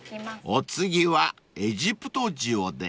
［お次はエジプト塩で］